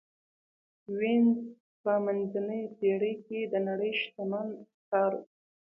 وینز په منځنۍ پېړۍ کې د نړۍ شتمن ښار و.